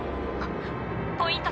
ポイント